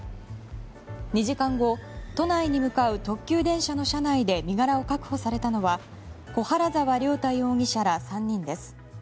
２時間後、都内に向かう特急電車の車内で身柄を確保されたのは小原澤亮太容疑者ら３人です。